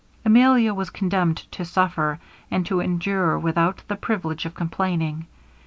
Emilia was condemned to suffer, and to endure without the privilege of complaining.